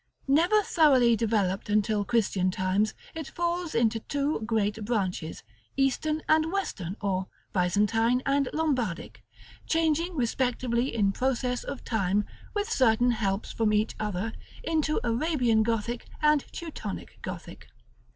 Never thoroughly developed until Christian times. It falls into two great branches, Eastern and Western, or Byzantine and Lombardic; changing respectively in process of time, with certain helps from each other, into Arabian Gothic and Teutonic Gothic.